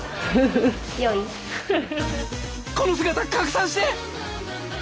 この姿拡散して。